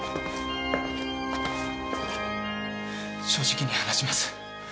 正直に話します。